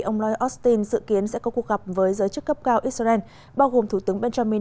ông lh austin dự kiến sẽ có cuộc gặp với giới chức cấp cao israel bao gồm thủ tướng benjamin